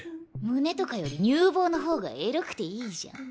胸とかより乳房の方がエロくていいじゃん。